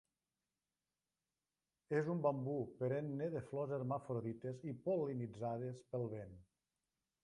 És un bambú perenne de flors hermafrodites i pol·linitzades pel vent.